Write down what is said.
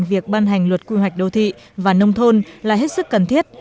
việc ban hành luật quy hoạch đô thị và nông thôn là hết sức cần thiết